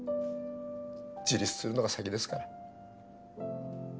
自立するのが先ですから。